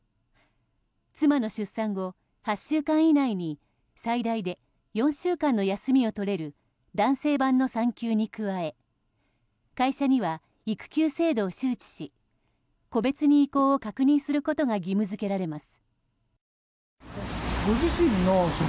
妻の出産後、８週間以内に最大で４週間の休みを取れる男性版の産休に加え会社には育休制度を周知し個別に意向を確認することが義務付けられます。